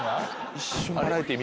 一瞬。